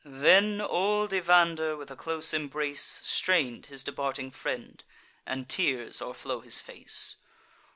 Then old Evander, with a close embrace, Strain'd his departing friend; and tears o'erflow his face.